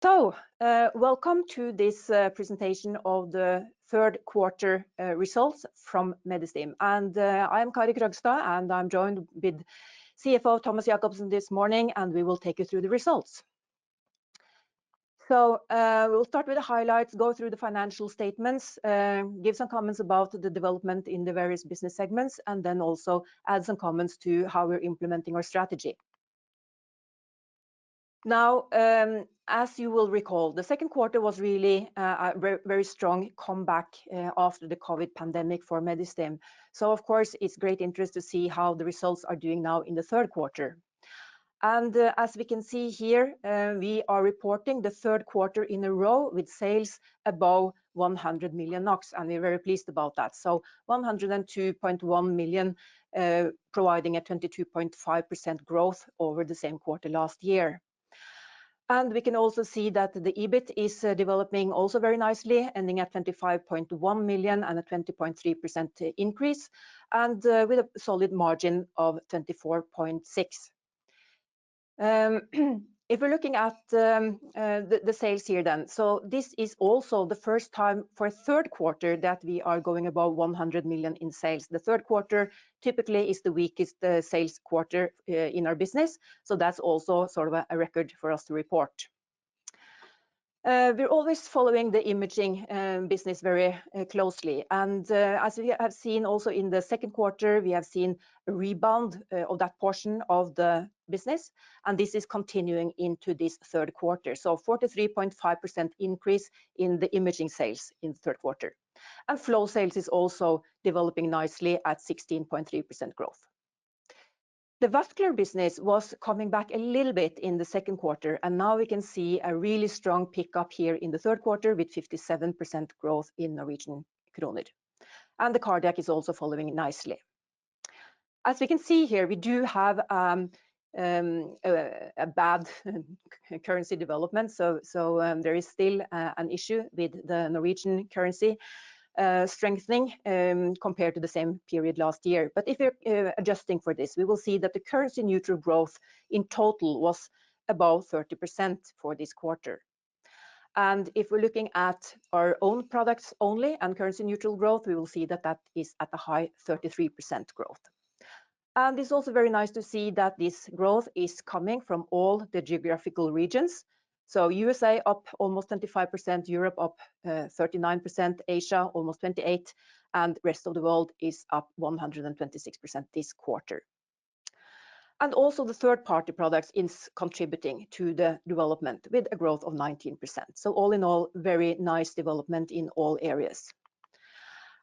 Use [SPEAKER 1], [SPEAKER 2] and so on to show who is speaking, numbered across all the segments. [SPEAKER 1] Welcome to this presentation of the third quarter results from Medistim. I am Kari Krogstad, and I'm joined with CFO Thomas Jakobsen this morning, and we will take you through the results. We'll start with the highlights, go through the financial statements, give some comments about the development in the various business segments, and then also add some comments to how we're implementing our strategy. Now, as you will recall, the second quarter was really a very strong comeback after the COVID-19 pandemic for Medistim. Of course, it's great interest to see how the results are doing now in the third quarter. As we can see here, we are reporting the third quarter in a row with sales above 100 million NOK, and we're very pleased about that. 102.1 million, providing a 22.5% growth over the same quarter last year. We can also see that the EBIT is developing also very nicely, ending at 25.1 million and a 20.3% increase and with a solid margin of 24.6%. If we're looking at the sales here then, this is also the first time for a third quarter that we are going above 100 million in sales. The third quarter typically is the weakest sales quarter in our business, so that's also sort of a record for us to report. We're always following the imaging business very closely, and as we have seen also in the second quarter, we have seen a rebound of that portion of the business, and this is continuing into this third quarter. 43.5% increase in the imaging sales in the third quarter. Flow sales is also developing nicely at 16.3% growth. The vascular business was coming back a little bit in the second quarter. Now we can see a really strong pickup here in the third quarter with 57% growth in NOK. The cardiac is also following nicely. As we can see here, we do have a bad currency development. There is still an issue with the Norwegian krone strengthening compared to the same period last year. If you're adjusting for this, we will see that the currency-neutral growth in total was above 30% for this quarter. If we're looking at our own products only and currency-neutral growth, we will see that that is at a high 33% growth. It's also very nice to see that this growth is coming from all the geographical regions. U.S. up almost 25%, Europe up 39%, Asia almost 28%, and rest of the world is up 126% this quarter. Also the third-party products is contributing to the development with a growth of 19%. All in all, very nice development in all areas.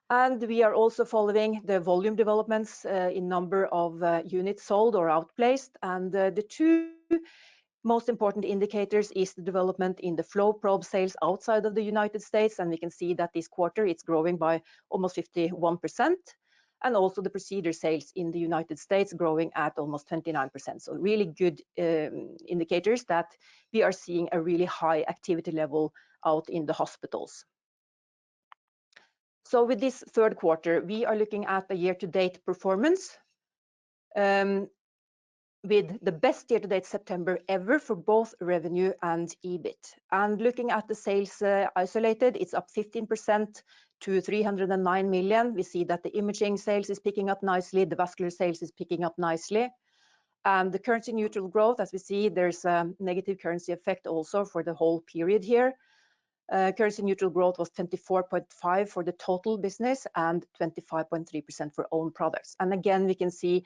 [SPEAKER 1] We are also following the volume developments in number of units sold or outplaced. The two most important indicators is the development in the flow probe sales outside of the U.S., and we can see that this quarter, it's growing by almost 51%. Also the procedure sales in the U.S. growing at almost 29%. Really good indicators that we are seeing a really high activity level out in the hospitals. With this third quarter, we are looking at the year-to-date performance with the best year-to-date September ever for both revenue and EBIT. Looking at the sales isolated, it's up 15% to 309 million. We see that the imaging sales is picking up nicely, the vascular sales is picking up nicely. The currency-neutral growth, as we see, there's a negative currency effect also for the whole period here. Currency-neutral growth was 24.5% for the total business and 25.3% for own products. Again, we can see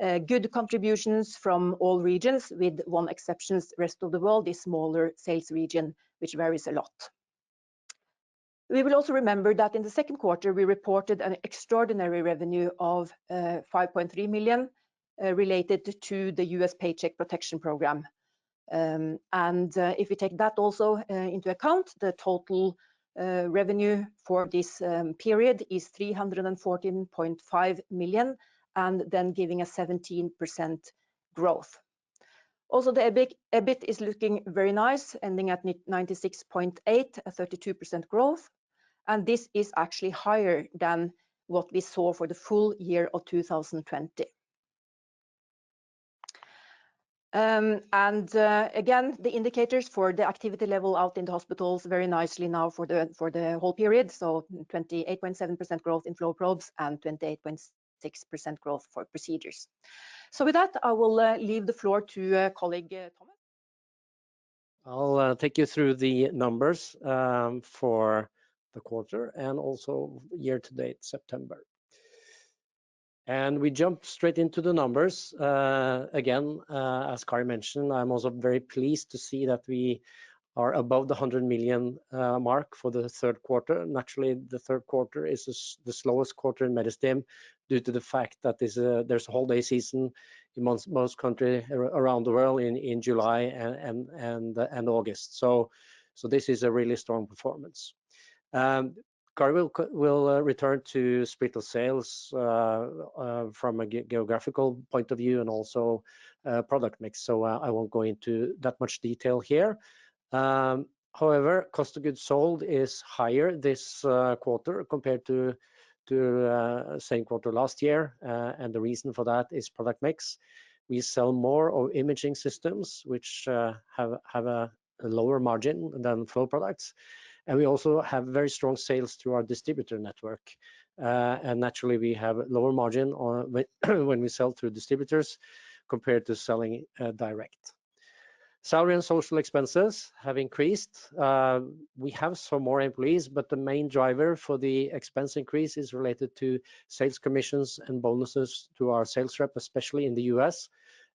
[SPEAKER 1] good contributions from all regions with one exception, rest of the world, a smaller sales region, which varies a lot. We will also remember that in the second quarter, we reported an extraordinary revenue of 5.3 million related to the U.S. Paycheck Protection Program. If we take that also into account, the total revenue for this period is 314.5 million, and then giving a 17% growth. The EBIT is looking very nice, ending at 96.8, a 32% growth, and this is actually higher than what we saw for the full year of 2020. Again, the indicators for the activity level out in the hospitals very nicely now for the whole period. 28.7% growth in flow probes and 28.6% growth for procedures. With that, I will leave the floor to colleague Thomas.
[SPEAKER 2] I'll take you through the numbers for the quarter and also year-to-date September. We jump straight into the numbers. Again, as Kari mentioned, I'm also very pleased to see that we are above the 100 million mark for the third quarter. Naturally, the third quarter is the slowest quarter in Medistim due to the fact that there's a holiday season in most country around the world in July and August. This is a really strong performance. Kari will return to split the sales from a geographical point of view and also product mix, so I won't go into that much detail here. However, cost of goods sold is higher this quarter compared to same quarter last year and the reason for that is product mix. We sell more of imaging systems, which have a lower margin than flow products, and we also have very strong sales through our distributor network. Naturally, we have lower margin when we sell through distributors compared to selling direct. Salary and social expenses have increased. We have some more employees, but the main driver for the expense increase is related to sales commissions and bonuses to our sales rep, especially in the U.S.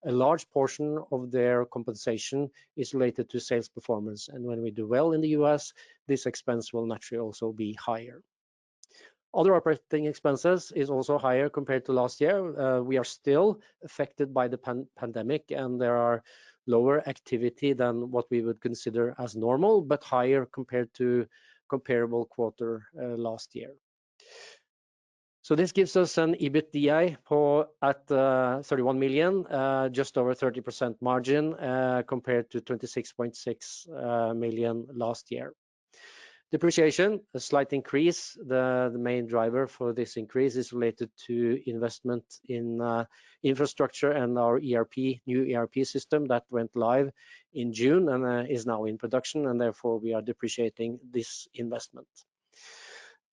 [SPEAKER 2] A large portion of their compensation is related to sales performance. When we do well in the U.S., this expense will naturally also be higher. Other operating expenses is also higher compared to last year. We are still affected by the pandemic, and there are lower activity than what we would consider as normal, but higher compared to comparable quarter last year. This gives us an EBITDA at 31 million, just over 30% margin compared to 26.6 million last year. Depreciation, a slight increase. The main driver for this increase is related to investment in infrastructure and our new ERP system that went live in June and is now in production, and therefore we are depreciating this investment.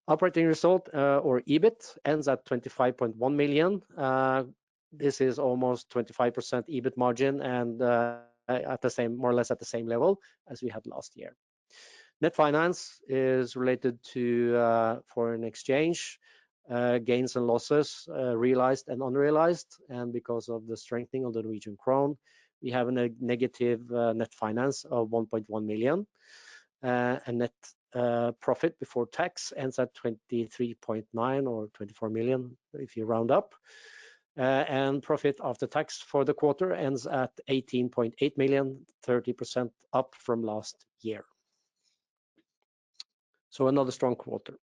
[SPEAKER 2] Operating result or EBIT ends at 25.1 million. This is almost 25% EBIT margin and more or less at the same level as we had last year. Net finance is related to foreign exchange gains and losses, realized and unrealized, and because of the strengthening of the Norwegian krone, we have a negative net finance of 1.1 million. Net profit before tax ends at 23.9 or 24 million if you round up. Profit after tax for the quarter ends at 18.8 million, 30% up from last year. Another strong quarter.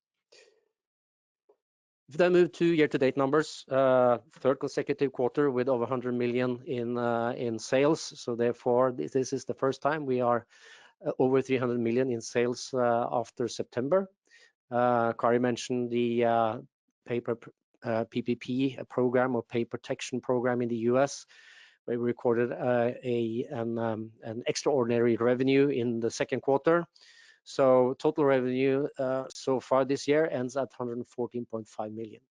[SPEAKER 2] If I move to year-to-date numbers, third consecutive quarter with over 100 million in sales. Therefore, this is the first time we are over 300 million in sales after September. Kari mentioned the PPP program or Paycheck Protection Program in the U.S. We recorded an extraordinary revenue in the second quarter. Total revenue so far this year ends at 114.5 million.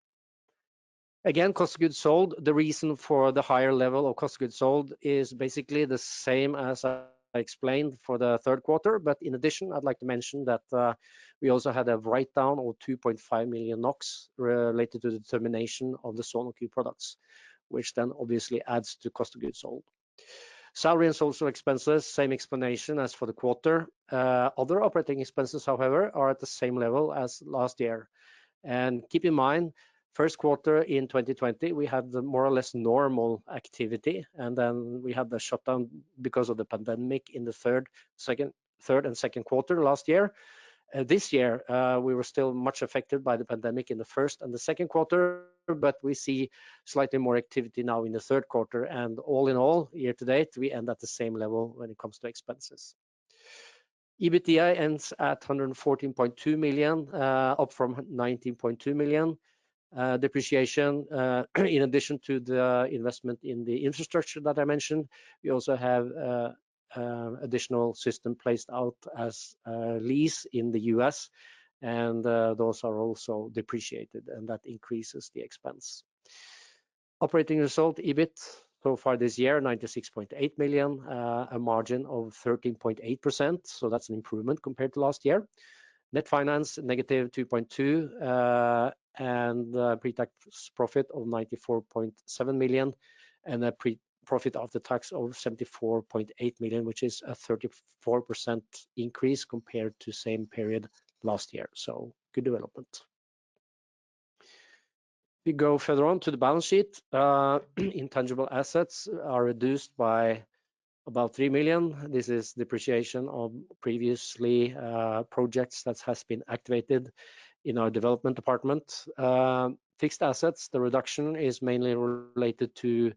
[SPEAKER 2] Again, cost of goods sold. The reason for the higher level of cost of goods sold is basically the same as I explained for the third quarter. In addition, I'd like to mention that we also had a write-down of 2.5 million NOK related to the termination of the SonoSite products, which obviously adds to cost of goods sold. Salary and social expenses, same explanation as for the quarter. Other operating expenses, however, are at the same level as last year. Keep in mind, first quarter in 2020, we had the more or less normal activity, and then we had the shutdown because of the pandemic in the third and second quarter last year. This year, we were still much affected by the pandemic in the first and second quarter, but we see slightly more activity now in the third quarter. All in all, year to date, we end at the same level when it comes to expenses. EBITDA ends at 114.2 million, up from 19.2 million. Depreciation, in addition to the investment in the infrastructure that I mentioned, we also have additional system placed out as a lease in the U.S., and those are also depreciated, and that increases the expense. Operating result, EBIT, so far this year, 96.8 million, a margin of 13.8%. That's an improvement compared to last year. Net finance, negative 2.2 million, and pre-tax profit of 94.7 million, and a profit after tax of 74.8 million, which is a 34% increase compared to same period last year. Good development. We go further on to the balance sheet. Intangible assets are reduced by about 3 million. This is depreciation of previous projects that has been activated in our development department. Fixed assets, the reduction is mainly related to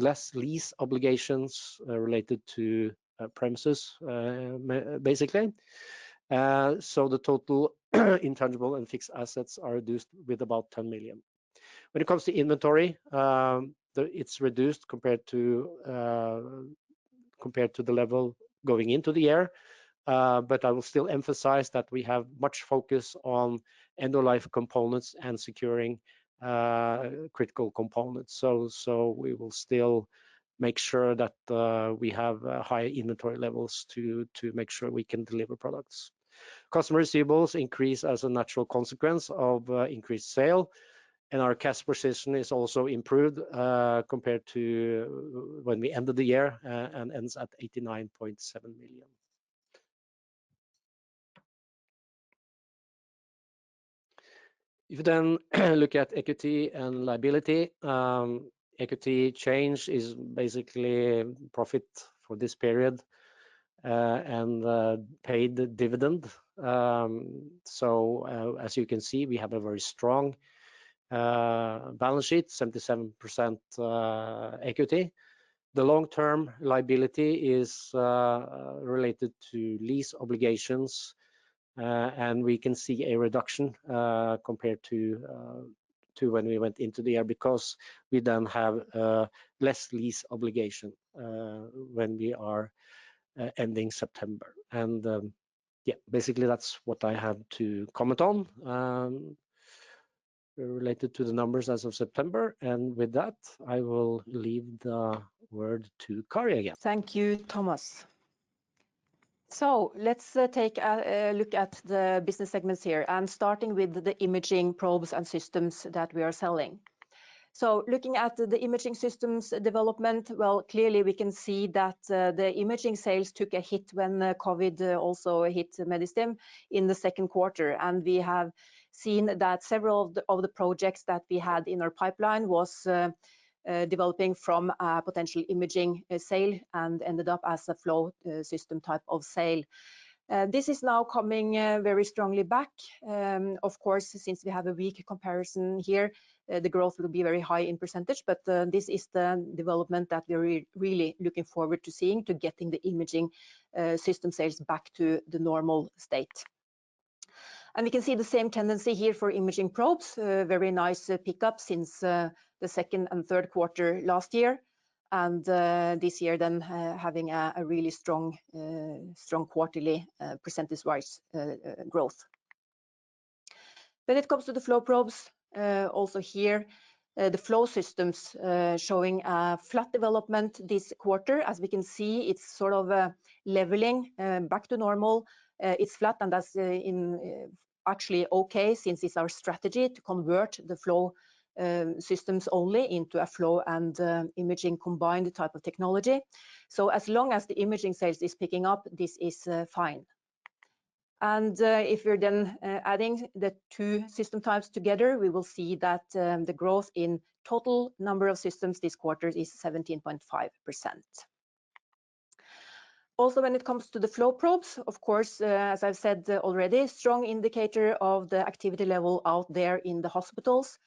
[SPEAKER 2] less lease obligations related to premises, basically. The total intangible and fixed assets are reduced with about 10 million. When it comes to inventory, it's reduced compared to the level going into the year. I will still emphasize that we have much focus on end-of-life components and securing critical components. We will still make sure that we have high inventory levels to make sure we can deliver products. Customer receivables increase as a natural consequence of increased sale. Our cash position is also improved compared to when we ended the year and ends at 89.7 million. If you then look at equity and liability, equity change is basically profit for this period and paid dividend. As you can see, we have a very strong balance sheet, 77% equity. The long-term liability is related to lease obligations. We can see a reduction compared to when we went into the year because we then have less lease obligation when we are ending September. Basically that's what I have to comment on related to the numbers as of September. With that, I will leave the word to Kari again.
[SPEAKER 1] Thank you, Thomas. Let's take a look at the business segments here and starting with the imaging probes and systems that we are selling. Looking at the imaging systems development, well, clearly we can see that the imaging sales took a hit when COVID also hit Medistim in the second quarter. We have seen that several of the projects that we had in our pipeline was developing from a potential imaging sale and ended up as a flow system type of sale. This is now coming very strongly back. Of course, since we have a weak comparison here, the growth will be very high in percentage, but this is the development that we're really looking forward to seeing, to getting the imaging system sales back to the normal state. We can see the same tendency here for imaging probes. Very nice pickup since the second and third quarter last year, this year having a really strong quarterly percentage-wise growth. When it comes to the flow probes, also here, the flow systems showing a flat development this quarter. As we can see, it's leveling back to normal. It's flat and that's actually okay since it's our strategy to convert the flow systems only into a flow and imaging combined type of technology. As long as the imaging sales is picking up, this is fine. If we're adding the two system types together, we will see that the growth in total number of systems this quarter is 17.5%. When it comes to the flow probes, of course, as I've said already, strong indicator of the activity level out there in the hospitals,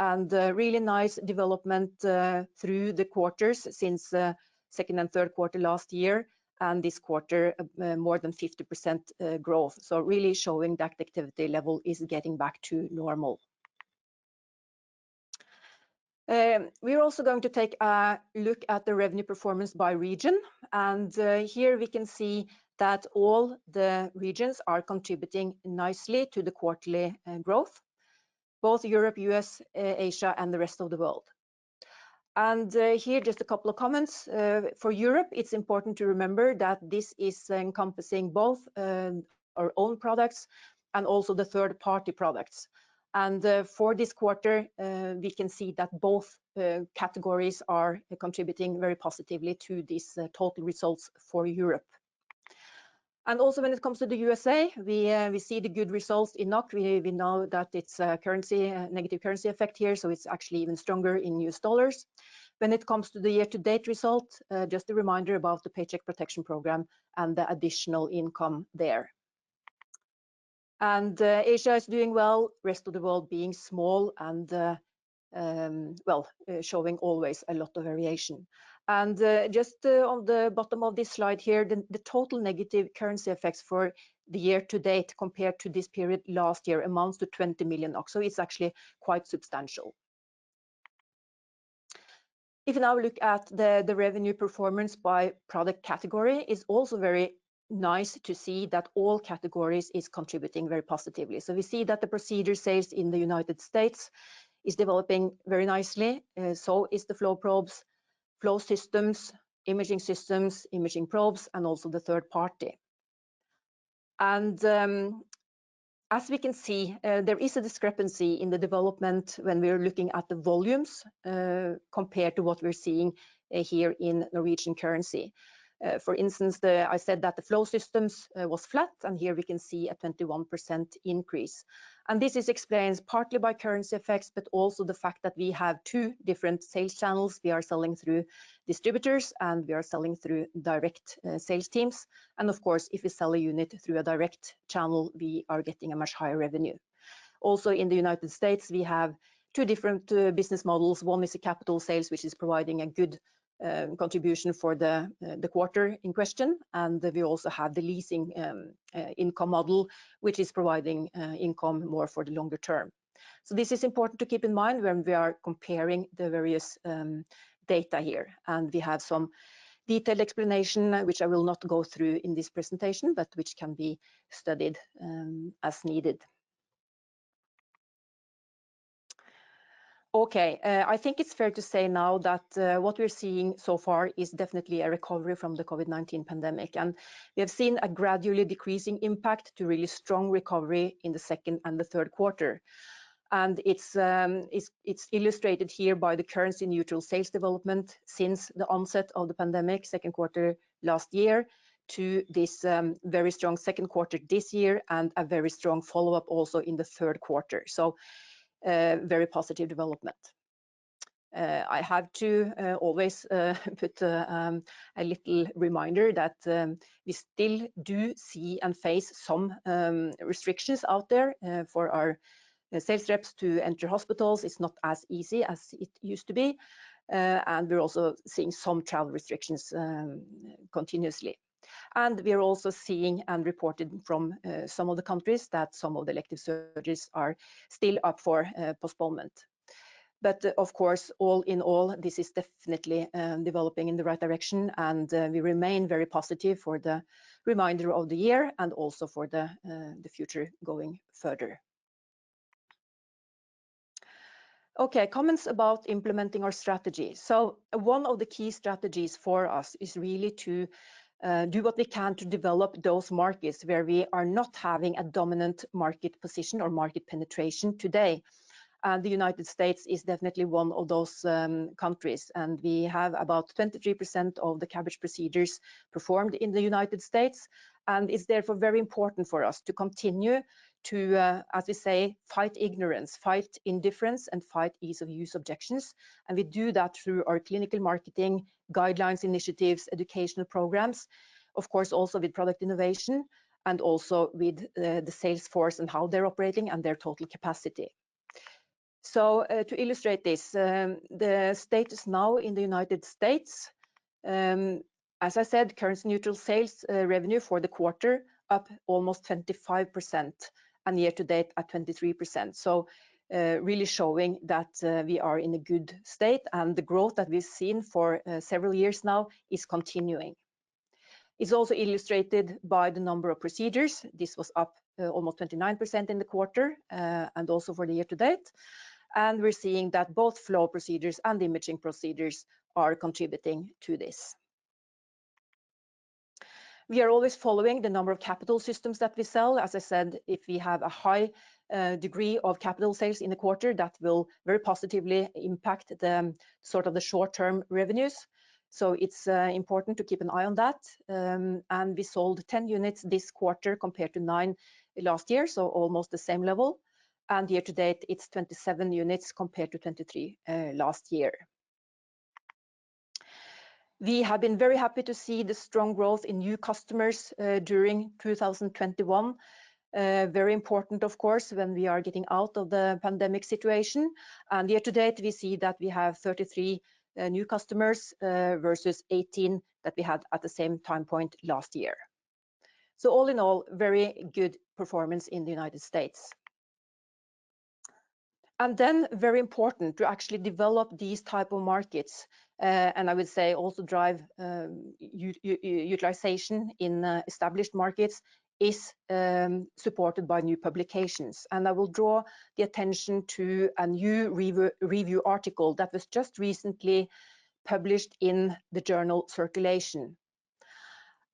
[SPEAKER 1] and really nice development through the quarters since second and third quarter last year, and this quarter, more than 50% growth. Really showing that the activity level is getting back to normal. We are also going to take a look at the revenue performance by region. Here we can see that all the regions are contributing nicely to the quarterly growth, both Europe, U.S., Asia, and the rest of the world. Here, just a couple of comments. For Europe, it's important to remember that this is encompassing both our own products and also the third-party products. For this quarter, we can see that both categories are contributing very positively to these total results for Europe. When it comes to the U.S.A., we see the good results in NOK. We know that it's negative currency effect here, so it's actually even stronger in U.S. dollars. When it comes to the year-to-date result, just a reminder about the Paycheck Protection Program and the additional income there. Asia is doing well, rest of the world being small and, well, showing always a lot of variation. On the bottom of this slide here, the total negative currency effects for the year-to-date compared to this period last year amounts to 20 million, so it's actually quite substantial. If you now look at the revenue performance by product category, it's also very nice to see that all categories is contributing very positively. We see that the procedure sales in the United States is developing very nicely. Is the flow probes, flow systems, imaging systems, imaging probes, and also the third party. As we can see, there is a discrepancy in the development when we are looking at the volumes, compared to what we're seeing here in Norwegian currency. For instance, I said that the flow systems was flat, and here we can see a 21% increase. This is explained partly by currency effects, but also the fact that we have two different sales channels. We are selling through distributors, and we are selling through direct sales teams. Of course, if we sell a unit through a direct channel, we are getting a much higher revenue. Also in the United States, we have two different business models. One is the capital sales, which is providing a good contribution for the quarter in question, and we also have the leasing income model, which is providing income more for the longer term. This is important to keep in mind when we are comparing the various data here. We have some detailed explanation, which I will not go through in this presentation, but which can be studied as needed. Okay. I think it's fair to say now that what we're seeing so far is definitely a recovery from the COVID-19 pandemic. We have seen a gradually decreasing impact to really strong recovery in the second and the third quarter. It's illustrated here by the currency neutral sales development since the onset of the pandemic, second quarter last year, to this very strong second quarter this year, and a very strong follow-up also in the third quarter. Very positive development. I have to always put a little reminder that we still do see and face some restrictions out there for our sales reps to enter hospitals. It's not as easy as it used to be. We're also seeing some travel restrictions continuously. We are also seeing and reported from some of the countries that some of the elective surgeries are still up for postponement. Of course, all in all, this is definitely developing in the right direction, and we remain very positive for the remainder of the year and also for the future going further. Okay, comments about implementing our strategy. One of the key strategies for us is really to do what we can to develop those markets where we are not having a dominant market position or market penetration today. The United States is definitely one of those countries. We have about 23% of the CABG procedures performed in the United States. It's therefore very important for us to continue to, as we say, fight ignorance, fight indifference, and fight ease-of-use objections. We do that through our clinical marketing guidelines, initiatives, educational programs, of course, also with product innovation and also with the sales force and how they're operating and their total capacity. To illustrate this, the status now in the United States, as I said, currency neutral sales revenue for the quarter up almost 25% and year to date at 23%. Really showing that we are in a good state and the growth that we've seen for several years now is continuing. It's also illustrated by the number of procedures. This was up almost 29% in the quarter and also for the year to date. We're seeing that both flow procedures and imaging procedures are contributing to this. We are always following the number of capital systems that we sell. As I said, if we have a high degree of capital sales in the quarter, that will very positively impact the short-term revenues. It's important to keep an eye on that. We sold 10 units this quarter compared to nine last year, so almost the same level. Year to date, it's 27 units compared to 23 last year. We have been very happy to see the strong growth in new customers during 2021. Very important, of course, when we are getting out of the pandemic situation. Year to date, we see that we have 33 new customers versus 18 that we had at the same time point last year. All in all, very good performance in the United States. Then very important to actually develop these type of markets, and I would say also drive utilization in established markets, is supported by new publications. I will draw the attention to a new review article that was just recently published in the journal Circulation.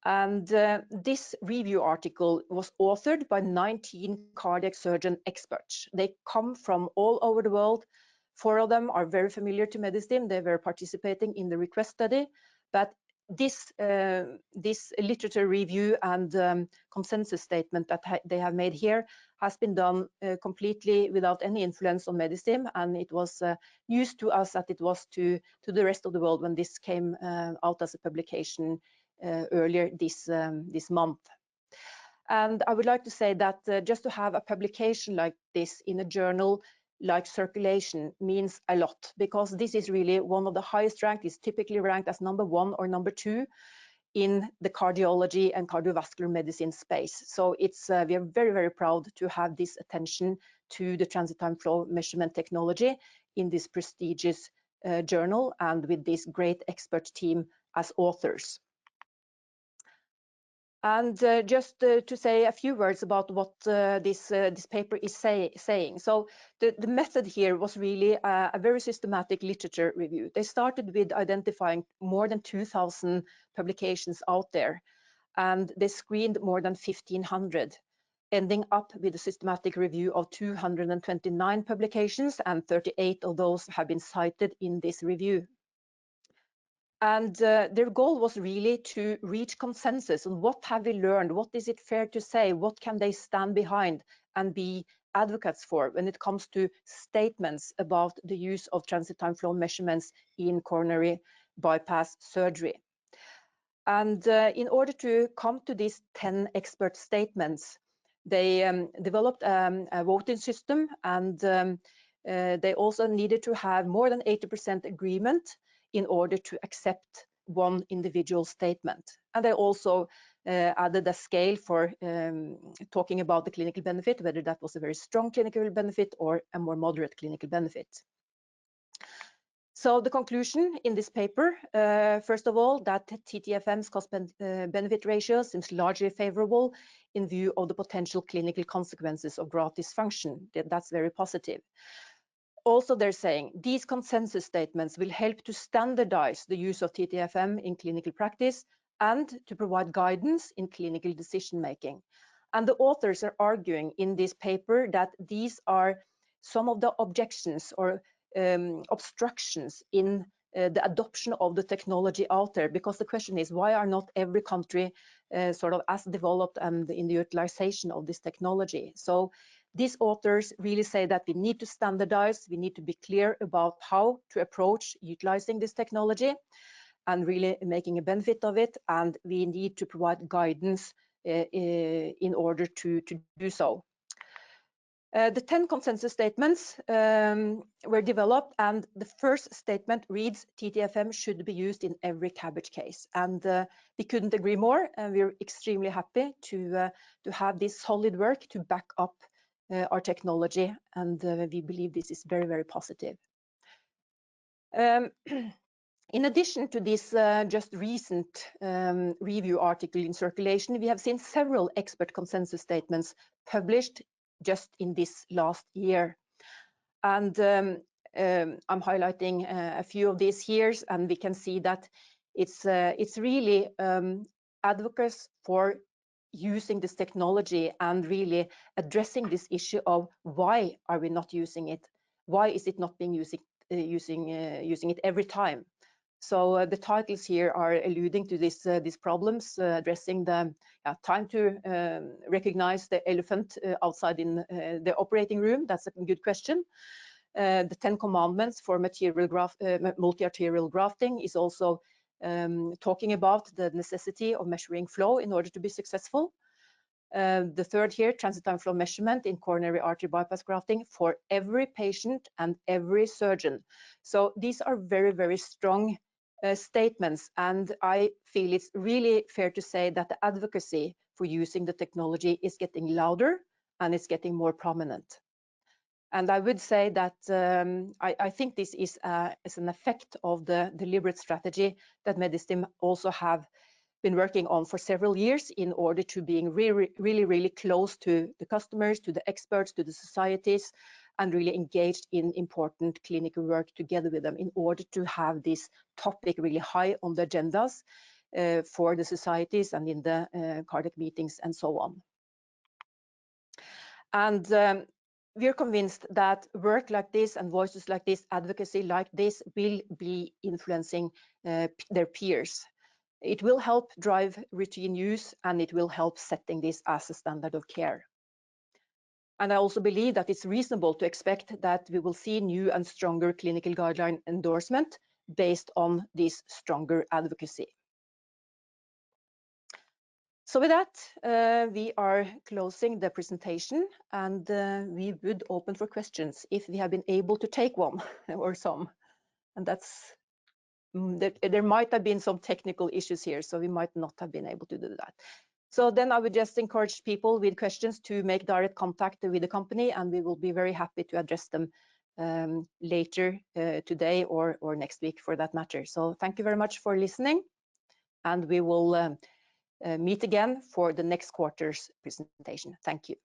[SPEAKER 1] This review article was authored by 19 cardiac surgeon experts. They come from all over the world. Four of them are very familiar to Medistim. They were participating in the REQUEST study. This literature review and consensus statement that they have made here has been done completely without any influence on Medistim, and it was news to us that it was to the rest of the world when this came out as a publication earlier this month. I would like to say that just to have a publication like this in a journal like Circulation means a lot because this is really one of the highest ranked, it's typically ranked as number one or number two in the cardiology and cardiovascular medicine space. We are very proud to have this attention to the transit time flow measurement technology in this prestigious journal and with this great expert team as authors. Just to say a few words about what this paper is saying. The method here was really a very systematic literature review. They started with identifying more than 2,000 publications out there. They screened more than 1,500, ending up with a systematic review of 229 publications, and 38 of those have been cited in this review. Their goal was really to reach consensus on what have we learned, what is it fair to say, what can they stand behind and be advocates for when it comes to statements about the use of transit time flow measurement in coronary bypass surgery. In order to come to these 10 expert statements, they developed a voting system and they also needed to have more than 80% agreement in order to accept one individual statement. They also added a scale for talking about the clinical benefit, whether that was a very strong clinical benefit or a more moderate clinical benefit. The conclusion in this paper, first of all, that TTFM's cost-benefit ratio seems largely favorable in view of the potential clinical consequences of graft dysfunction. That's very positive. They're saying these consensus statements will help to standardize the use of TTFM in clinical practice and to provide guidance in clinical decision-making. The authors are arguing in this paper that these are some of the objections or obstructions in the adoption of the technology out there, because the question is why are not every country sort of as developed and in the utilization of this technology. These authors really say that we need to standardize, we need to be clear about how to approach utilizing this technology and really making a benefit of it, and we need to provide guidance in order to do so. The 10 consensus statements were developed, and the first statement reads, "TTFM should be used in every CABG case." We couldn't agree more, and we're extremely happy to have this solid work to back up our technology, and we believe this is very positive. In addition to this recent review article in Circulation, we have seen several expert consensus statements published just in this last year. I'm highlighting a few of these here, and we can see that it really advocates for using this technology and really addressing this issue of why are we not using it, why is it not being used every time. The titles here are alluding to these problems, addressing the time to recognize the elephant outside in the operating room. That's a good question. The 10 commandments for multi-arterial grafting is also talking about the necessity of measuring flow in order to be successful. The third transit time flow measurement in coronary artery bypass grafting for every patient and every surgeon. These are very strong statements, and I feel it's really fair to say that the advocacy for using the technology is getting louder and it's getting more prominent. I would say that I think this is an effect of the deliberate strategy that Medistim also have been working on for several years in order to be really close to the customers, to the experts, to the societies, and really engaged in important clinical work together with them in order to have this topic really high on the agendas for the societies and in the cardiac meetings and so on. We are convinced that work like this and voices like this, advocacy like this, will be influencing their peers. It will help drive routine use, and it will help setting this as a standard of care. I also believe that it's reasonable to expect that we will see new and stronger clinical guideline endorsement based on this stronger advocacy. With that, we are closing the presentation, and we would open for questions if we have been able to take one or some. There might have been some technical issues here, so we might not have been able to do that. Then I would just encourage people with questions to make direct contact with the company, and we will be very happy to address them later today or next week for that matter. Thank you very much for listening, and we will meet again for the next quarter's presentation. Thank you.